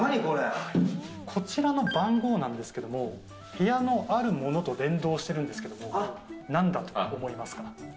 こちらの番号なんですけど、部屋のあるものと連動しているんですけれども、なんだと思いますか？